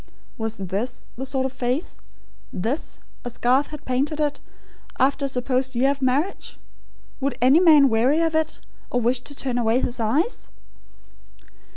Was this the sort of face this, as Garth had painted it, after a supposed year of marriage? Would any man weary of it, or wish to turn away his eyes?